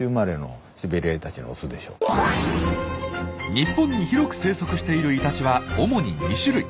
日本に広く生息しているイタチは主に２種類。